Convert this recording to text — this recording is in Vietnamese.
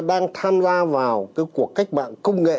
đang tham gia vào cái cuộc cách mạng công nghệ